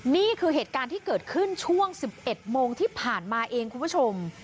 นี่คือเหตุการณ์ที่เกิดขึ้นช่วง๑๑โมงที่ผ่านมาเองคุณผู้ชม